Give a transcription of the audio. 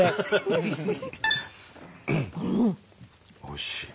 おいしい。